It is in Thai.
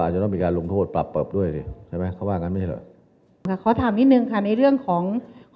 อเจมส์ทราบแล้วก็เป็นเรื่องของ